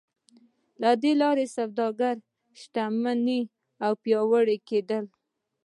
له دې لارې سوداګر شتمن او پیاوړي کېدل.